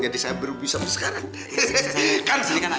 jadi saya baru bisa pesekaran